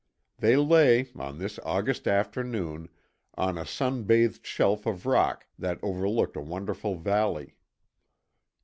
They lay, on this August afternoon, on a sun bathed shelf of rock that overlooked a wonderful valley.